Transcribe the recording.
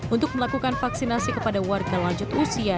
untuk melakukan vaksinasi kepada warga lanjut usia